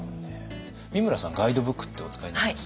美村さんガイドブックってお使いになります？